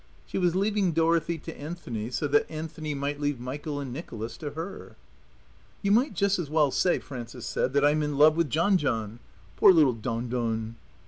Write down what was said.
She was leaving Dorothy to Anthony so that Anthony might leave Michael and Nicholas to her. "You might just as well say," Frances said, "that I'm in love with John John. Poor little Don Don!"